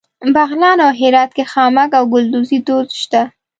بغلان او هرات کې خامک او ګلدوزي دود شته.